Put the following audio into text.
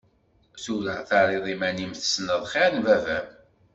Tura terriḍ iman-im tessneḍ xir n baba-m.